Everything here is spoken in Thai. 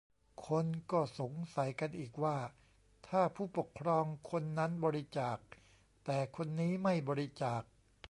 คนก็สงสัยกันอีกว่า ถ้าผู้ปกครองคนนั้นบริจาค แต่คนนี้ไม่บริจาค